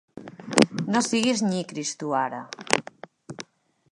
No siguis nyicris, tu ara.